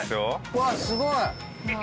うわっすごい！